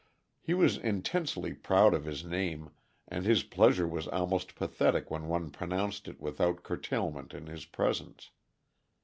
He was intensely proud of his name, and his pleasure was almost pathetic when one pronounced it without curtailment in his presence.